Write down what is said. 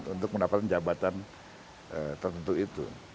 untuk mendapatkan jabatan tertentu itu